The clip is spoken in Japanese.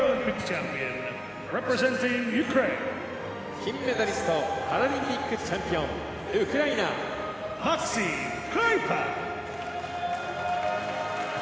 金メダリストパラリンピックチャンピオンウクライナ、マクシム・クリパク。